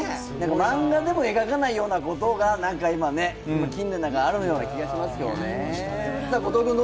漫画でも描かないようなことが今、あるような気がしまけどね。